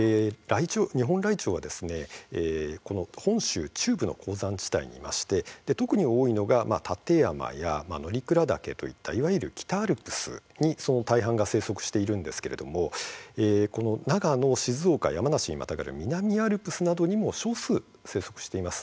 ニホンライチョウは本州中部の高山地帯にいまして特に多いのが立山とか乗鞍岳といったいわゆる北アルプスに大半が生息しているんですが長野、静岡、山梨にまたがる南アルプスなどにも少数、生息しています。